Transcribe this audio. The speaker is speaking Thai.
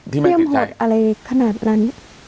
เยี่ยมโหดอะไรขนาดนั้น